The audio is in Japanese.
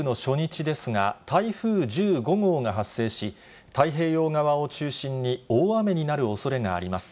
きょうは３連休の初日ですが、台風１５号が発生し、太平洋側を中心に大雨になるおそれがあります。